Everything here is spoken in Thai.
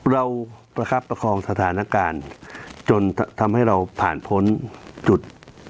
ประคับประคองสถานการณ์จนทำให้เราผ่านพ้นจุด